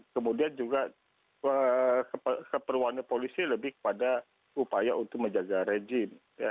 kemudian juga keperluannya polisi lebih kepada upaya untuk menjaga rejim